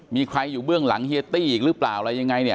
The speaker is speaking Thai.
มีใครอยู่เบื้องหลังเฮียตี้อีกหรือเปล่าอะไรยังไงเนี่ย